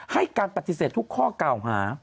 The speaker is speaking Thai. ให้การปฏิเสธทุกข้อกล่าวหา